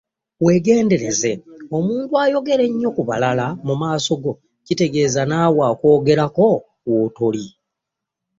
Weegendereze omuntu ayogera ennyo ku balala mu maaso go kitegeeza naawe akwogerako w'otali.